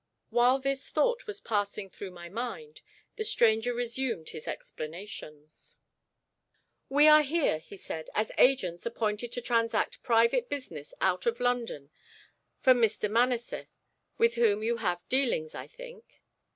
While this thought was passing through my mind, the stranger resumed his explanations. "We are here," he said, "as agents appointed to transact private business, out of London, for Mr. Manasseh, with whom you have dealings, I think?"